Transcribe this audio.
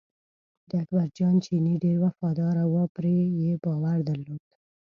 د اکبر جان چینی ډېر وفاداره و پرې یې باور درلود.